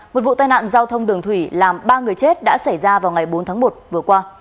một vụ tai nạn giao thông đường thủy làm ba người chết đã xảy ra vào ngày bốn tháng một vừa qua